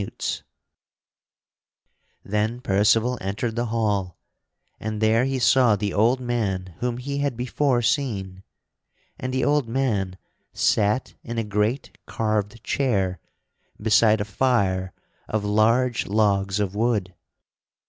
[Sidenote: Sir Percival finds King Pecheur] Then Percival entered the hall and there he saw the old man whom he had before seen, and the old man sat in a great carved chair beside a fire of large logs of wood.